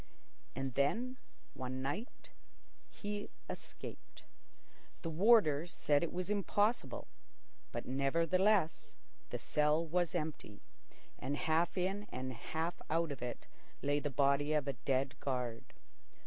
And then, one night, he escaped. The warders said it was impossible, but nevertheless the cell was empty, and half in half out of it lay the body of a dead guard.